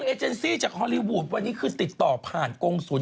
เอเจนซี่จากฮอลลีวูดวันนี้คือติดต่อผ่านกงศูนย์